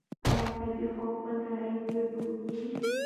ایا ته د خوب په نړۍ کې ډوب یې؟